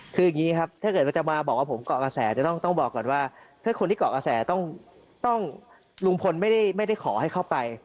คืออย่างนี้ครับถ้าเกิดว่าจะมาบอกว่าผมเกาะกระแสจะต้องบอกก่อนว่าถ้าคนที่เกาะกระแสต้องลุงพลไม่ได้ขอให้เข้าไป